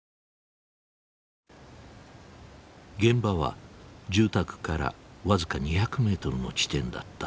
現場は住宅から僅か２００メートルの地点だった。